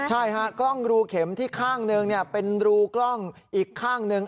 ใช่ฮะกล้องรูเข็มที่ข้างหนึ่งเป็นรูกล้องอีกข้างหนึ่ง